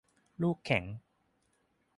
ลูกแข็ง